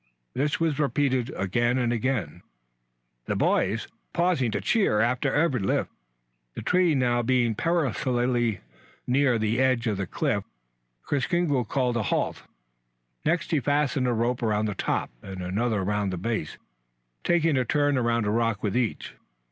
This was repeated again and again, the boys pausing to cheer after every lift. The tree being now perilously near the edge of the cliff Kris Kringle called a halt. Next he fastened a rope around the top and another around the base, taking a turn around a rock with each.